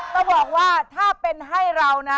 ชุดลายเสือของคุณ